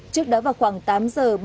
trước đó vào khoảng tám giờ